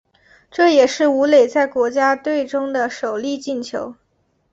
这也是武磊在国家队中的首粒进球。